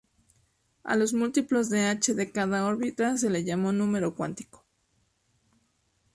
A los múltiplos de h de cada órbita se le llamó número cuántico.